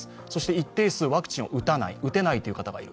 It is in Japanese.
一定数、ワクチンを打たない、打てない方がいる。